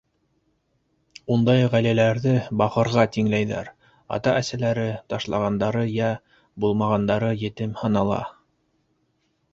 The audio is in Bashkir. Ундай ғаиләләрҙе бахырға тиңләйҙәр, ата-әсәләре ташлағандары йә булмағандары етем һанала.